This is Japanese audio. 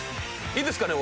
いいですかね？